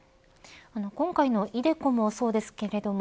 今回のｉＤｅＣｏもそうですけれども